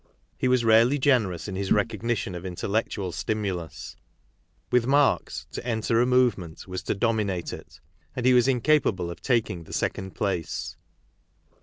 He was rarely generous in his recognition of intellectual stimulus. With Marx, to enter a movement was to dominate it; and he was incapable of taking the second place.